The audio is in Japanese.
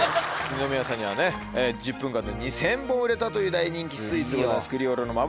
二宮さんにはね１０分間で２０００本売れたという大人気スイーツでございます。